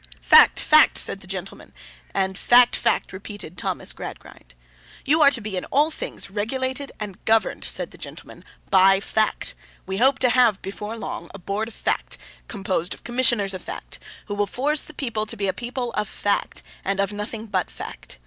'Fact, fact, fact!' said the gentleman. And 'Fact, fact, fact!' repeated Thomas Gradgrind. 'You are to be in all things regulated and governed,' said the gentleman, 'by fact. We hope to have, before long, a board of fact, composed of commissioners of fact, who will force the people to be a people of fact, and of nothing but fact.